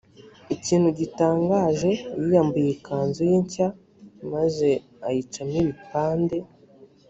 ikintu gitangaje yiyambuye ikanzu ye nshya maze ayicamo ibipande